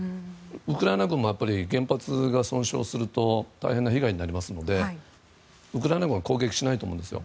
ウクライナ軍も原発が損傷すると大変な被害になりますのでウクライナ軍は攻撃しないと思うんですよ。